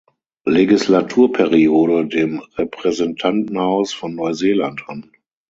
Legislaturperiode dem Repräsentantenhaus von Neuseeland an.